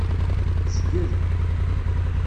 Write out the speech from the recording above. Zgel.